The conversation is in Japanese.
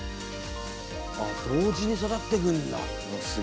あっ同時に育っていくんだ。